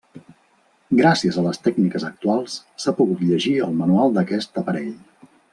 Gràcies a les tècniques actuals, s'ha pogut llegir el manual d'aquest aparell.